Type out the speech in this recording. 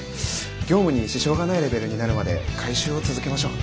業務に支障がないレベルになるまで回収を続けましょう。